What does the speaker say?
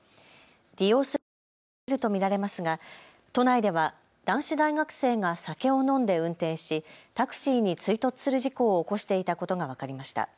利用する人も増えると見られますが都内では男子大学生が酒を飲んで運転しタクシーに追突する事故を起こしていたことが分かりました。